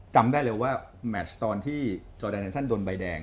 จำได้เลยว่าแมชตอนที่จอแดนเซันโดนใบแดง